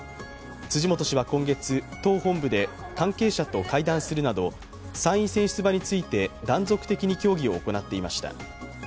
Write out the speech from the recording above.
辻元氏は今月党本部で関係者と会談するなど参院選出馬について断続的に協議を行っていました。